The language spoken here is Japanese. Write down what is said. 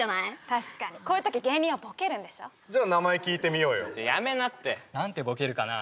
確かにこういうとき芸人はボケるんでしょ・じゃあ名前聞いてみようよやめなって何てボケるかな？